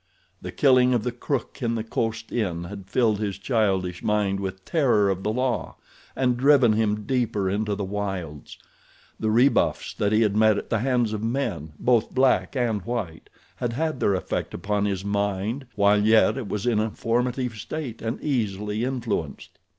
The killing of the crook in the coast inn had filled his childish mind with terror of the law, and driven him deeper into the wilds. The rebuffs that he had met at the hands of men, both black and white, had had their effect upon his mind while yet it was in a formative state, and easily influenced.